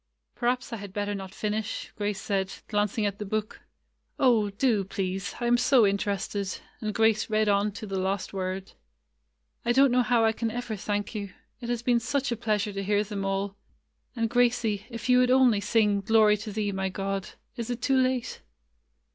''Perhaps I had better not finish,'' Grace said, glancing at the book. [ 91 ] AN EASTER LILY "Oh! do, please, I am so interested!" and Grace read on to the last word. "I don't know how I can ever thank you. It has been such a pleasure to hear them all. And Gracie, if you would only sing 'Glory to Thee, my God.' Is it too late?"